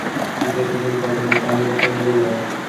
কমলা রাগ করিয়া রমেশের মুখের দিকে কুটিল কটাক্ষে চাহিল–কহিল, যাও!